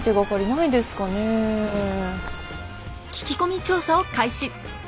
聞き込み調査を開始。